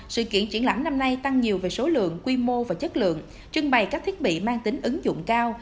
sự kiện triển lãm năm nay tăng nhiều về số lượng quy mô và chất lượng trưng bày các thiết bị mang tính ứng dụng cao